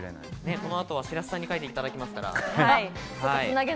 この後は白洲さんに描いていただけますから。